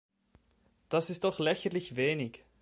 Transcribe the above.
Das ist doch lächerlich wenig!